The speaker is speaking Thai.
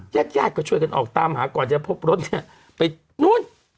ญาติญาติก็ช่วยกันออกตามหาก่อนจะพบรถเนี่ยไปนู่น